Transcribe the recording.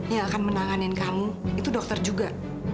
yang akan menanganin kamu itu dokter juga